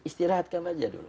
istirahatkan aja dulu